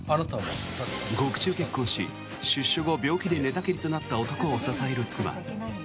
獄中結婚し、出所後病気で寝たきりとなった男を支える妻。